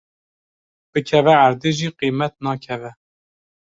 bikeve erdê jî qîmet nakeve.